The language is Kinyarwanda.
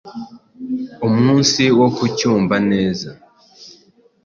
umunsi wo kucyumva neza